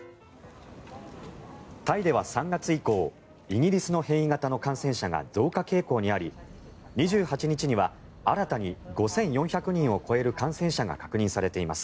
タイでは３月以降イギリスの変異型の感染者が増加傾向にあり、２８日には新たに５４００人を超える感染者が確認されています。